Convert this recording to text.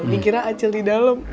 dikira acil di dalam